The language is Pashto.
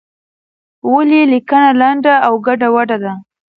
ولې لیکنه لنډه او ګډوډه ده؟